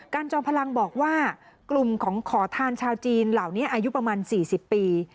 จอมพลังบอกว่ากลุ่มของขอทานชาวจีนเหล่านี้อายุประมาณ๔๐ปี